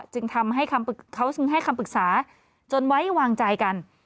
จึงให้คำปรึกษาจนไว้วางใจกัน